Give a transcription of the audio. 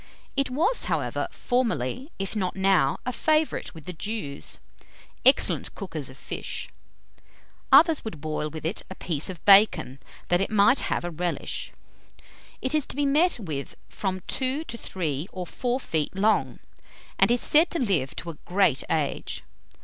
It was, however, formerly, if not now, a favourite with the Jews, excellent cookers of fish. Others would boil with it a piece of bacon, that it might have a relish. It is to be met with from two to three or four feet long, and is said to live to a great age.